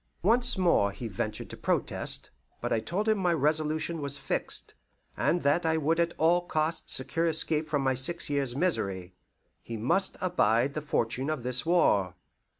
Once more he ventured to protest, but I told him my resolution was fixed, and that I would at all costs secure escape from my six years' misery. He must abide the fortune of this war.